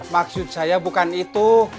maksud saya bukan itu